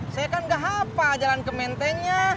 saya kan gak apa apa jalan ke mentengnya